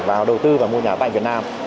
vào đầu tư và mua nhà tại việt nam